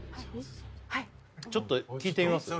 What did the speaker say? ちょっと聞いてみます？